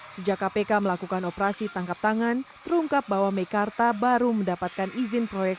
sejak kpk melakukan operasi tangkap tangan terungkap bahwa mekarta baru mendapatkan izin proyek